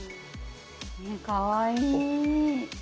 かわいい。